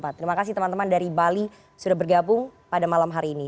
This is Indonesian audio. terima kasih teman teman dari bali sudah bergabung pada malam hari ini